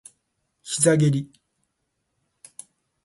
膝蹴り